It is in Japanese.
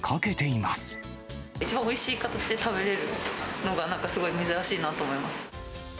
一番おいしい形で食べれるのが、なんかすごい珍しいなと思います。